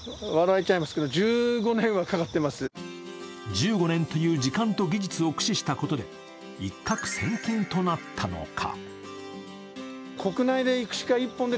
１５年という時間と技術を駆使したことで、一獲千金となったのか。